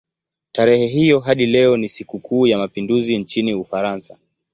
Tarehe hiyo hadi leo ni sikukuu ya mapinduzi nchini Ufaransa.